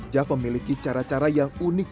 jav memiliki cara cara yang unik